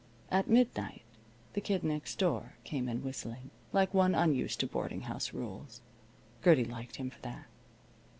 At midnight the Kid Next Door came in whistling, like one unused to boarding house rules. Gertie liked him for that.